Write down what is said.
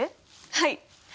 はい！